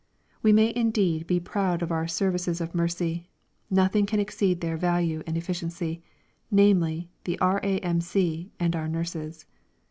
We may indeed be proud of our services of mercy; nothing can exceed their value and efficiency, namely the R.A.M.C and our nurses.